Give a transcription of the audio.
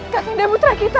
kak kande putra kita